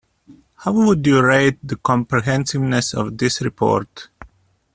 How would you rate the comprehensiveness of this report?